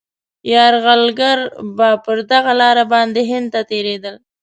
یرغلګر به پر دغه لاره باندي هند ته تېرېدل.